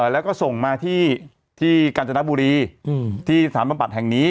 แล้วก็ส่งมาที่กาญจนบุรีที่สถานบำบัดแห่งนี้